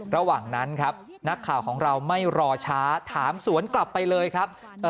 ระหว่างนั้นครับนักข่าวของเราไม่รอช้าถามสวนกลับไปเลยครับ